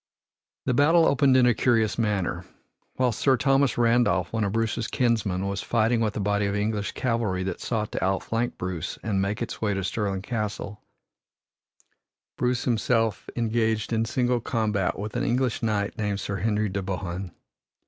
The battle opened in a curious manner. While Sir Thomas Randolph, one of Bruce's kinsmen, was fighting with a body of English cavalry that sought to outflank Bruce and make its way to Stirling Castle, Bruce himself engaged in single combat with an English knight named Sir Henry de Bohun.